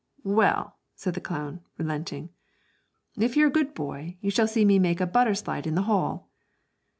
'Well,' said the clown, relenting, 'if you're a good boy you shall see me make a butter slide in the hall.'